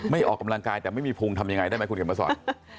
ออกกำลังกายแต่ไม่มีภูมิทำยังไงได้ไหมคุณเขียนมาสอน